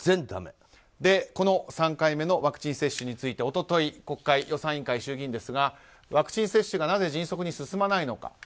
３回目のワクチン接種について一昨日、衆議院予算委員会ですがワクチン接種がなぜ迅速に進まないのか。